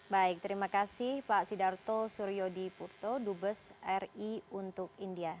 baik terima kasih pak sidarto suryo dipurto dubes ri untuk india